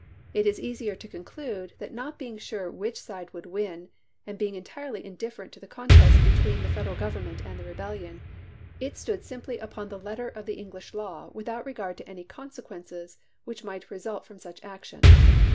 It is easier to conclude that not being sure which side would win, and being en tirely indifferent to the contest between the Fed eral Government and the rebellion, it stood simply upon the letter of the English law without regard to any consequences which might result from such action.